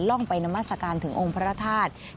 ล่องไปน้ำมาสการถึงองค์พระธาตุ